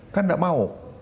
kan nggak mau